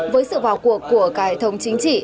với sự vào cuộc của cải thống chính trị